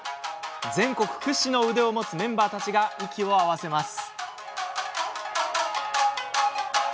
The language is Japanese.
全国屈指の腕を持つメンバーたちが息を合わせます。